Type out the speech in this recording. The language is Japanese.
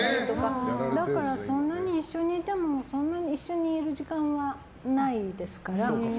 だからそんなに一緒にいても一緒にいる時間はないですから。